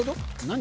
何？